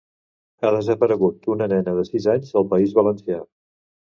Ha desaparegut una nena de sis anys al País Valencià.